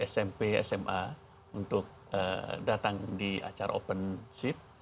smp sma untuk datang di acara open ship